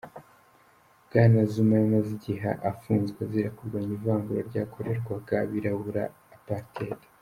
Bwana Zuma yamaze igihe apfunzwe azira kurwanya ivangura ryakorerwaga abirabura apartheid.